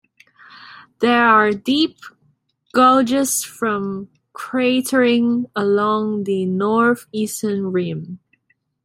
There are deep gouges from cratering along the northeastern rim.